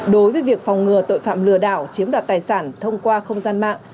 đối với việc phòng ngừa tội phạm lừa đảo chiếm đoạt tài sản thông qua không gian mạng